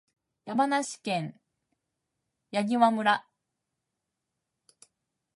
山梨県丹波山村